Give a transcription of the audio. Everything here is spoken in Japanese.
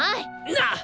なっ！